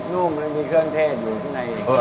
ุ่มมันมีเครื่องเทศอยู่ข้างใน